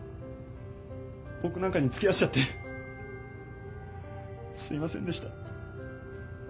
僕なんかに付き合わしちゃってすいませんでした。